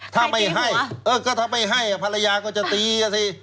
ถ้าไม่ให้ถ้าไม่ให้ภรรยาก็จะตีสิ